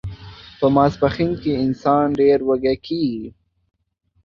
په ماسپښین کې انسان ډیر وږی کیږي